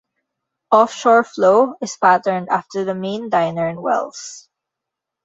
"Offshore" Flo is patterned after the Maine Diner in Wells.